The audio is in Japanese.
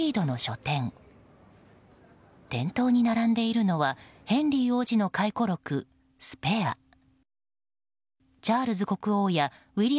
店頭に並んでいるのはヘンリー王子の回顧録「スペア」。